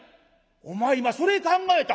「お前今それ考えた？